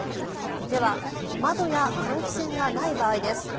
では窓や換気扇がない場合です。